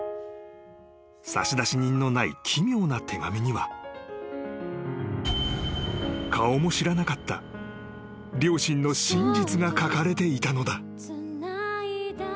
［差出人のない奇妙な手紙には顔も知らなかった両親の真実が書かれていたのだ］